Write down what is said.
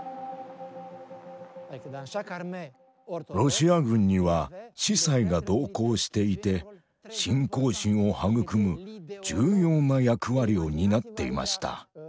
ロシア軍には司祭が同行していて信仰心を育む重要な役割を担っていました。